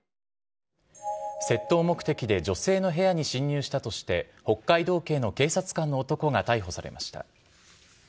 窃盗目的で女性の部屋に侵入したとして、北海道警の警察官の男が逮捕されました。